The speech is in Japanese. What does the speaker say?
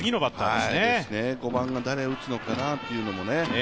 ５番を誰が打つのかなというね。